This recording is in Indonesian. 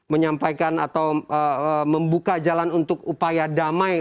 menyampaikan atau membuka jalan untuk upaya damai